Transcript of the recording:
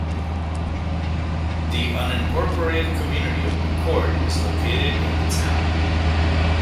The unincorporated community of McCord is located in the town.